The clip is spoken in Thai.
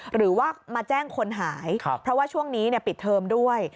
หรือว่ามาแจ้งคนหายเพราะว่าช่วงนี้ปิดเทอมด้วย